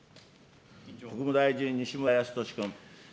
国務大臣、西村康稔君。